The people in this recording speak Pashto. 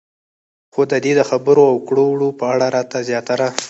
خو د دې د خبرو او کړو وړو په اړه راته زياتره